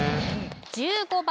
１５番